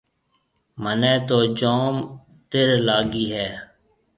مهنَي تو جوم تره لاگِي هيَ۔